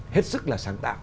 hết sức là sáng tạo